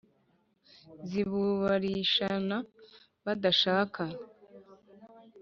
zibubarishana badashaka